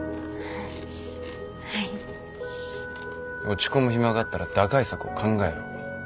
落ち込む暇があったら打開策を考えろ。